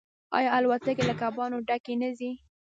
آیا الوتکې له کبانو ډکې نه ځي؟